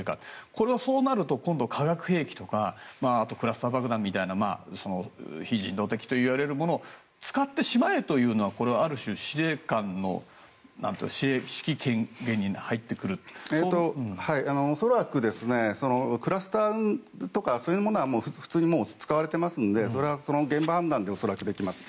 そうなると、今度は化学兵器とかクラスター爆弾みたいな非人道的といわれるものを使ってしまえというのは司令官の恐らく、クラスターとかそういうものは普通に使われていますのでそれは現場判断で恐らくできます